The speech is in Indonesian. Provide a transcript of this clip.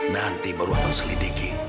nanti baru akan selidiki